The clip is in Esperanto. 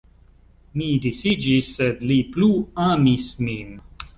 Ni disiĝis, sed li plu amis min.